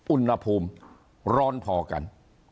อุณหภูมิร้อนพอกัน